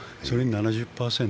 それに７０％。